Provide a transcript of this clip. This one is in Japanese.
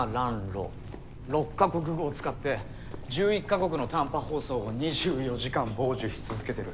６か国語を使って１１か国の短波放送を２４時間傍受し続けてる。